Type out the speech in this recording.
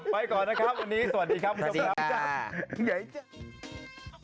ไปก่อนนะครับวันนี้สวัสดีครับคุณผู้ชมครับ